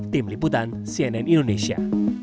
tim liputan cnn indonesia